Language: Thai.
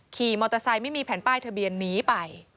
ขี่มอเตอร์ไซค์ไม่มีแผ่นป้ายทะเบียนหนีไป